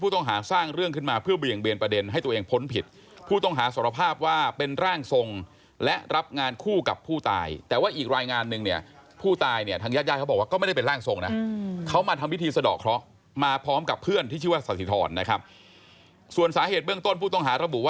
ต้องหาสร้างเรื่องขึ้นมาเพื่อเบี่ยงเบียนประเด็นให้ตัวเองพ้นผิดผู้ต้องหาสารภาพว่าเป็นร่างทรงและรับงานคู่กับผู้ตายแต่ว่าอีกรายงานหนึ่งเนี่ยผู้ตายเนี่ยทางญาติญาติเขาบอกว่าก็ไม่ได้เป็นร่างทรงนะเขามาทำพิธีสะดอกเคราะห์มาพร้อมกับเพื่อนที่ชื่อว่าสถิธรนะครับส่วนสาเหตุเบื้องต้นผู้ต้องหาระบุ